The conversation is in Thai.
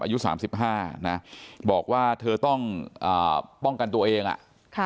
อายุสามสิบห้านะบอกว่าเธอต้องอ่าป้องกันตัวเองอ่ะค่ะ